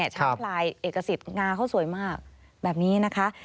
ช้างพลายเอกสิทธิ์งาเขาสวยมากแบบนี้นะคะ